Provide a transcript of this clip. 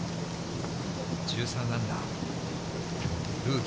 １３アンダー。